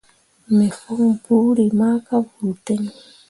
Me fon buuri ma ka vuu ten.